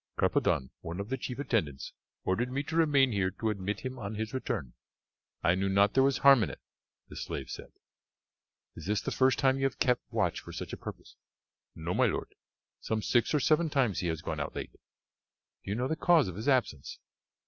"Carpadon, one of the chief attendants, ordered me to remain here to admit him on his return. I knew not there was harm in it," the slave said. "Is it the first time you have kept watch for such a purpose?" "No, my lord, some six or seven times he has gone out late." "Do you know the cause of his absence?"